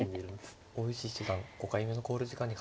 大石七段５回目の考慮時間に入りました。